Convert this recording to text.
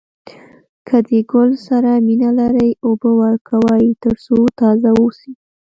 که د ګل سره مینه لرئ اوبه ورکوئ تر څو تازه واوسي.